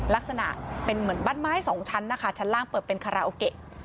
ลักษณะเป็นเหมือนบ้านไม้สองชั้นนะคะชั้นล่างเปิดเป็นคาราโอเกะ